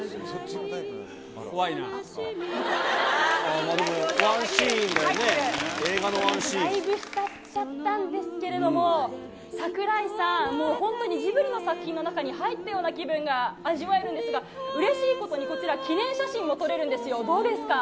ワンシーンだよね、映画のワンシーン。だいぶ浸っちゃったんですけれども、櫻井さん、本当にジブリの作品の中に入ったような気分が味わえるんですが、うれしいことにこちら記念写真も撮れるんですよ、どうですか。